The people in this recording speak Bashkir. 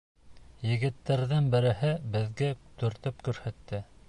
Егеттәрҙең береһе беҙгә төртөп күрһәтте.